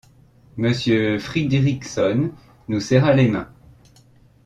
Monsieur Fridriksson nous serra les mains.